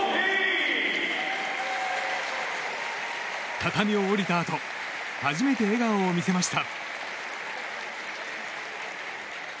畳を降りたあと初めて笑顔を見せました。